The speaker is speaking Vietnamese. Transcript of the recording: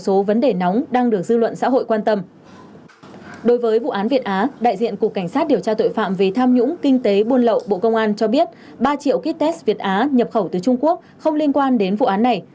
cảnh sát điều tra tội phạm về tham nhũng kinh tế buôn lậu bộ công an cho biết ba triệu kit test việt á nhập khẩu từ trung quốc không liên quan đến vụ án này